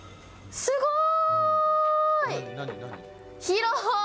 すごい！